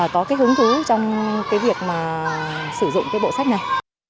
có cái hứng thú trong cái việc mà sử dụng cái bộ sách này